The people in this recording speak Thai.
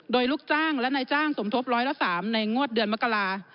โดยลูกจ้างและนายจ้างสมทบร้อยละ๓ในงวดเดือนมกรา